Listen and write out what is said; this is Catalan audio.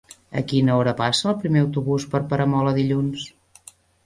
A quina hora passa el primer autobús per Peramola dilluns?